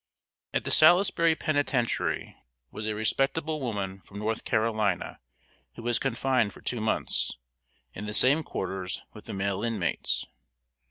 ] At the Salisbury penitentiary was a respectable woman from North Carolina, who was confined for two months, in the same quarters with the male inmates.